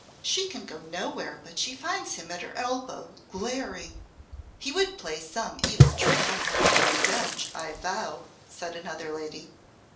She can go nowhere but she finds him at her elbow glaring." "He would play some evil trick on her for revenge, I vow," said another lady.